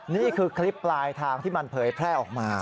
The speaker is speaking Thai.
นี่คือคลิปปลายทางที่มันเผยแพร่ออกมา